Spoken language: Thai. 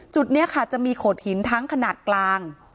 จุดนี้ค่ะจะมีโขดหินทั้งขนาดกลาง